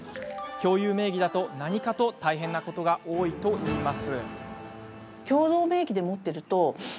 共有名義だと何かと大変なことが多いといいます。